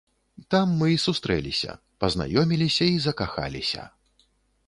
Там мы і сустрэліся, пазнаёміліся і закахаліся.